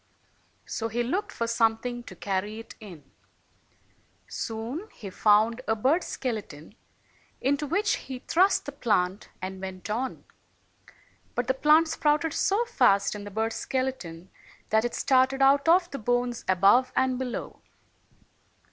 So he looked for something to carry it in. Soon he found a bird's skeleton, into which he thrust the plant, and went on. But the plant sprouted so fast in the bird's skeleton, that it started out of the bones above and below.